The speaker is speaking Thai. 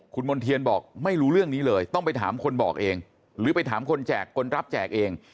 คุณมณ์เทียนบอกไม่รู้เรื่องนี้เลยต้องไปถามคนบอกเองหรือไปถามคนแจกคนรับแจกเอง